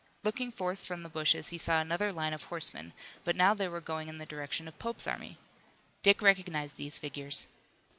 Looking forth from the bushes he saw another line of horsemen, but now they were going in the direction of Pope's army. Dick recognized these figures.